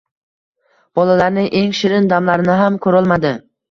Bolalarini eng shirin damlarini ham koʻrolmadi